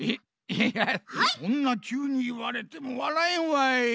いやそんなきゅうにいわれてもわらえんわい。